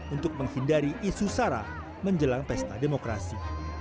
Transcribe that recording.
untuk menghindari isu sara menjelang pesta demokrasi